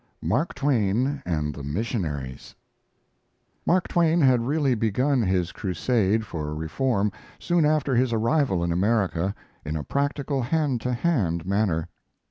MARK TWAIN AND THE MISSIONARIES Mark Twain had really begun his crusade for reform soon after his arrival in America in a practical hand to hand manner.